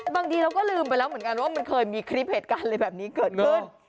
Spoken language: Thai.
บางทีเราก็ลืมไปแล้วเหมือนกันว่ามันเคยมีคลิปเหตุการณ์อะไรแบบนี้เกิดขึ้น